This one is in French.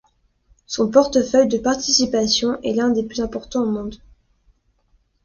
Son portefeuille de participations est l'un des plus importants au monde.